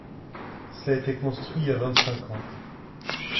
Cela a été construit il y a vingt-cinq ans.